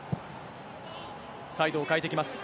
サイドを変えてきます。